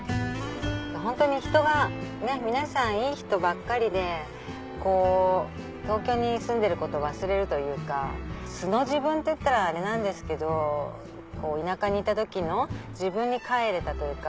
ホントに人が皆さんいい人ばっかりで東京に住んでること忘れるというか素の自分っていったらあれなんですけど田舎にいた時の自分に帰れたというか。